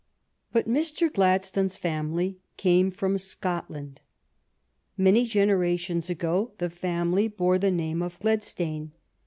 But Mr. Gladstone's family came from Scotland. Many generations "THE GLEDSTANES" 3 ago the family bore the name of Gledstane.